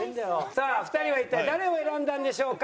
さあ２人は一体誰を選んだんでしょうか？